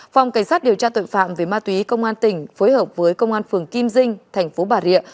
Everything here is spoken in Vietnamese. phòng cảnh sát điều tra tội phạm về ma túy công an tỉnh phối hợp với công an phường kim dinh thành phố bà rịa